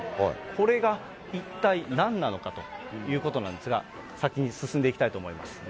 これが一体なんなのかということなんですが、先に進んでいきたいと思います。